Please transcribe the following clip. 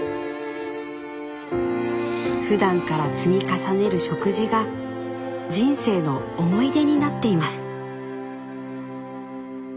ふだんから積み重ねる食事が人生の思い出になっています。